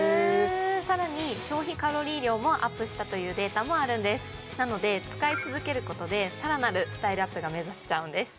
更に消費カロリー量もアップしたというデータもあるんですなので使い続けることで更なるスタイルアップが目指せちゃうんです